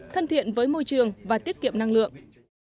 thân thiện với môi trường và tiết kiệm năng lượng